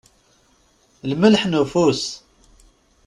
Lmelḥ n ufus.